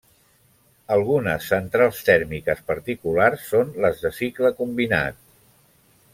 Algunes centrals tèrmiques particulars són les de cicle combinat.